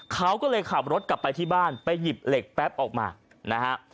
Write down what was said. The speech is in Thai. เขาก็เลยขับรถกลับไปที่บ้านไปหยิบเหล็กแป๊บออกมานะฮะ